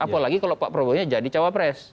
apalagi kalau pak prabowo nya jadi cawapres